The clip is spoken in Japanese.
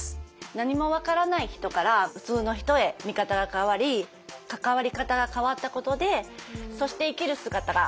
何も分からない人から普通の人へ見方が変わり関わり方が変わったことでそして生きる姿が変わった。